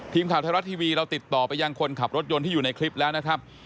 ทีมข่าวไทยรัฐทีวีเราติดต่อไปยังคนขับรถยนต์ที่อยู่ในคลิปแล้วนะครับ